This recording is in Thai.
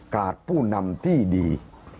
กาดผู้นำที่ดี